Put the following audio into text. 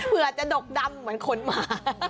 เผื่อจะดกดำเหมือนขนหมา